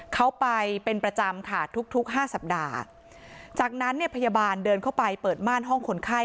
เขาไปเป็นประจำค่ะทุกทุกห้าสัปดาห์จากนั้นเนี่ยพยาบาลเดินเข้าไปเปิดม่านห้องคนไข้